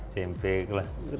smp kelas tiga ya